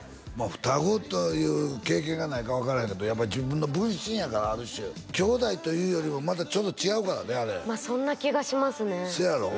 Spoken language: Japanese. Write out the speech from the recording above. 双子という経験がないから分からへんけどやっぱり自分の分身やからある種きょうだいというよりもまたちょっと違うからねあれそんな気がしますねせやろ？